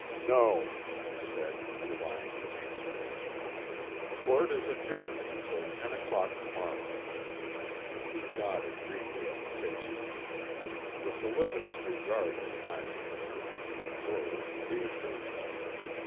"No," he said, belying his answer in its tone, "court is adjourned until ten o'clock tomorrow." He nodded briefly at the faces. The solicitous regard in the eyes of attorneys and jurors reassured him.